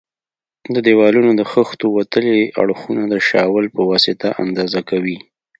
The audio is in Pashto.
د دېوالونو د خښتو وتلي اړخونه د شاول په واسطه اندازه کوي.